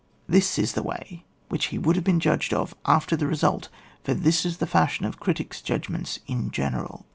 — ^This is the way in which he would have been judged of after the result, for this is the fashion of critics' judgments in general.